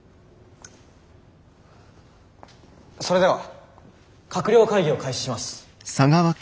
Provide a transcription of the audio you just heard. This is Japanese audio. それでは閣僚会議を開始します。